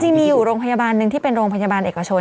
จริงมีอยู่โรงพยาบาลหนึ่งที่เป็นโรงพยาบาลเอกชน